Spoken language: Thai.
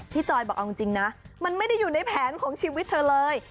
จอยบอกเอาจริงนะมันไม่ได้อยู่ในแผนของชีวิตเธอเลย